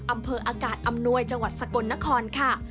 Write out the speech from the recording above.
อำเภออากาศอำนวยจังหวัดสกลนครค่ะ